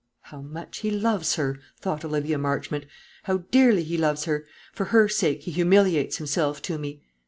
"How much he loves her!" thought Olivia Marchmont; "how dearly he loves her! For her sake he humiliates himself to me."